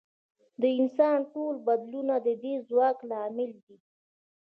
د انسان ټول بدلونونه د دې ځواک له امله دي.